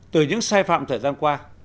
từ những sai phạm thời gian qua